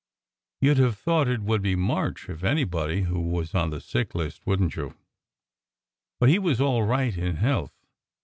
You d have thought it would be March, if anybody, who was on the sick list, wouldn t you? But he was all right in health.